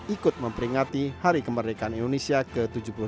ikut memperingati hari kemerdekaan indonesia ke tujuh puluh tiga